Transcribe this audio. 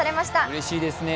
うれしいですね。